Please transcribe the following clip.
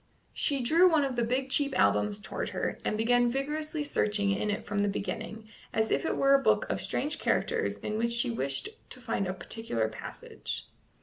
She drew one of the big cheap albums towards her, and began vigorously searching in it from the beginning, as if it were a book of strange characters in which she wished to find a particular passage.